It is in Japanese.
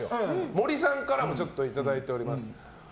森さんからもいただいております。